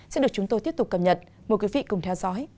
sẽ được chúng tôi tiếp tục cập nhật mời quý vị cùng theo dõi